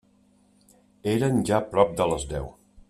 Eren ja prop de les deu.